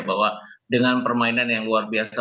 bahwa dengan permainan yang luar biasa